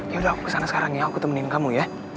yaudah aku kesana sekarang ya aku temenin kamu ya